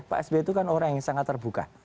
pak sby itu kan orang yang sangat terbuka